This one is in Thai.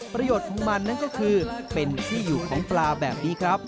ประโยชน์ของมันนั่นก็คือเป็นที่อยู่ของปลาแบบนี้ครับ